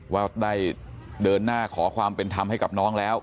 ว่าได้เดินหน้าขอความเป็นธรรมให้กับน้องแล้ว